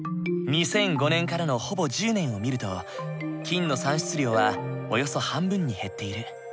２００５年からのほぼ１０年を見ると金の産出量はおよそ半分に減っている。